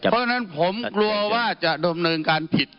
เพราะฉะนั้นผมกลัวว่าจะดำเนินการผิด